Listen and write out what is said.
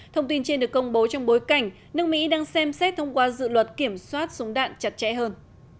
thông tin trên được công bố trong bối cảnh nước mỹ đang xem xét thông qua dự luật kiểm soát súng đạn chặt chẽ hơn